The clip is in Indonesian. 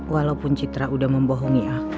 walaupun citra udah membohongi aku